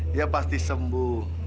dia pasti sembuh